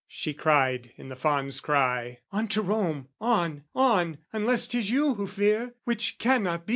She cried, in the fawn's cry, "On to Rome, on, on "Unless 'tis you who fear, which cannot be!"